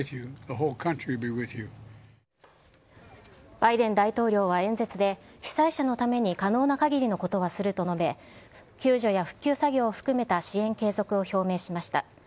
バイデン大統領は演説で、被災者のために可能なかぎりのことはすると述べ、救助や復旧作業を含めた支援継続を表明しました。